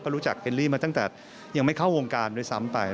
รู้จักเอลลี่มาตั้งแต่ยังไม่เข้าวงการด้วยซ้ำไป